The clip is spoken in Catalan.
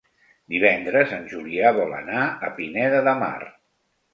Divendres en Julià vol anar a Pineda de Mar.